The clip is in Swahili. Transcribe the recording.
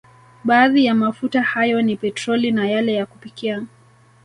Baadhi ya mafuta hayo ni petroli na yale ya kupikia